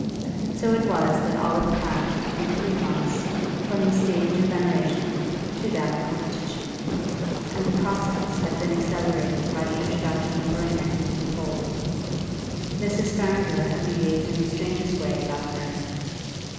So it was that Olive passed, in three months, from the stage of veneration to that of competition; and the process had been accelerated by the introduction of Verena into the fold. Mrs. Farrinder had behaved in the strangest way about Verena.